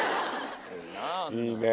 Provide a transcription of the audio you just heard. いいね。